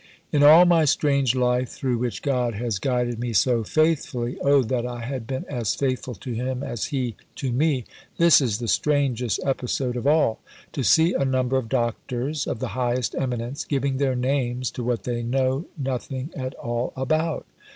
In all my strange life through which God has guided me so faithfully (O that I had been as faithful to Him as He to me!), this is the strangest episode of all to see a number of Doctors of the highest eminence giving their names to what they know nothing at all about.